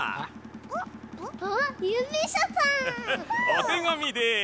おてがみです。